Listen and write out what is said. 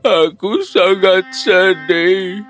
aku sangat sedih